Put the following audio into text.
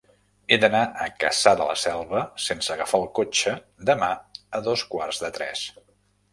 He d'anar a Cassà de la Selva sense agafar el cotxe demà a dos quarts de tres.